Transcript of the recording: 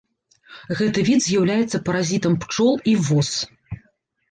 Гэты від з'яўляецца паразітам пчол і вос.